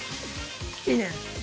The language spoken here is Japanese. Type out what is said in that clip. いいね。